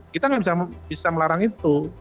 kita nggak bisa melarang itu